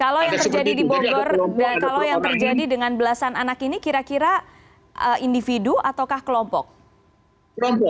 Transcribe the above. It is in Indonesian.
kalau yang terjadi di bogor dan kalau yang terjadi dengan belasan anak ini kira kira individu ataukah kelompok kelompok